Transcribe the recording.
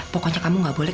pokoknya kamu gak boleh